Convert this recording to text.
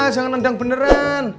jangan nendang beneran